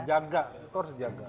jaga kita harus jaga